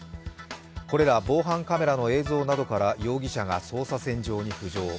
これら防犯カメラの映像などから容疑者が捜査線上に浮上。